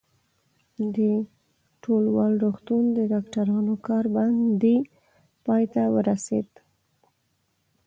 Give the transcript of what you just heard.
د ټولوال روغتون د ډاکټرانو کار بندي پای ته ورسېده.